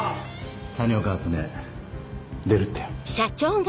谷岡初音出るってよ。